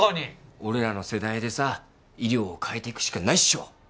俺らの世代でさ医療を変えていくしかないっしょ。